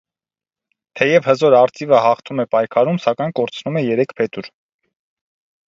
Թեև հզոր արծիվը հաղթում է պայքարում, սակայն կորցնում է երեք փետուր։